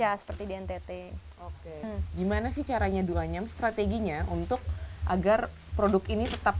indonesia seperti di ntt oke gimana sih caranya d brooklyn gening neck untuk agar produk ini tetap